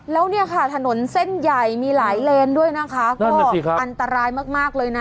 แล้วเนี่ยค่ะถนนเส้นใหญ่มีหลายเลนด้วยนะคะก็อันตรายมากเลยนะ